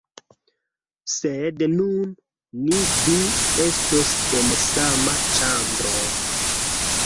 Sed nun, ni du estos en sama ĉambro...